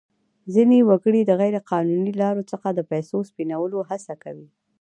ځینې وګړي د غیر قانوني لارو څخه د پیسو سپینولو هڅه کوي.